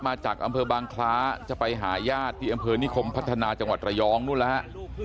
มาจากอำเภอบางคล้าจะไปหาญาติที่อำเภอนิคมพัฒนาจังหวัดระยองนู่นแล้วฮะ